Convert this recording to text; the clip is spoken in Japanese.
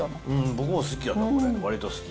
僕も好きやな、これ、わりと好き。